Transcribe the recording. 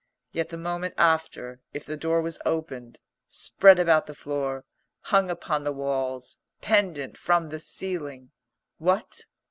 Yet, the moment after, if the door was opened, spread about the floor, hung upon the walls, pendant from the ceiling what?